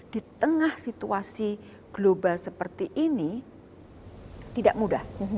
di tengah situasi global seperti ini tidak mudah